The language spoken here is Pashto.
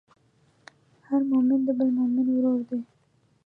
هر مؤمن د بل مؤمن ورور دی.